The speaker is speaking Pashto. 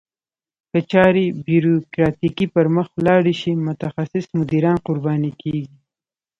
که چارې بیوروکراتیکي پرمخ ولاړې شي متخصص مدیران قرباني کیږي.